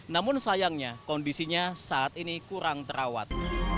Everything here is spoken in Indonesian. namun sayangnya kondisinya saat ini kurang terawat